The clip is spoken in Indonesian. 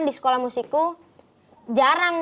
di sekolah musiku jarang